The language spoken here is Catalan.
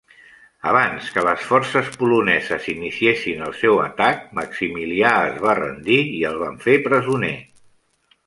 Abans que les forces poloneses iniciessin el seu atac, Maximilià es va rendir i el van fer presoner.